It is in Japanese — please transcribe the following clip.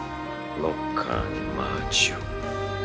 ノッカーにマーチを。